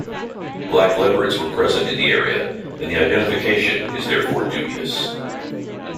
Black leopards were present in the area and the identification is therefore dubious.